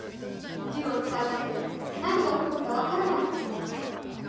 銃を使うだけで何が起こるか分からない所よ。